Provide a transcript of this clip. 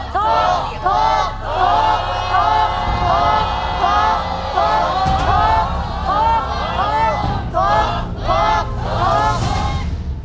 ถูกครับ